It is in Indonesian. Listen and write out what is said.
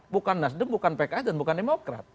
bukan nasdem bukan pks dan bukan demokrat